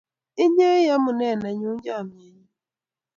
Inye ii amune nenyu chamanenyu